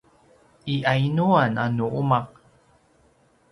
i yainuan a nu umaq?